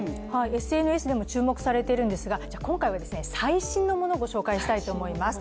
ＳＮＳでも注目されているんですが、今回は最新のものを御紹介したいと思います。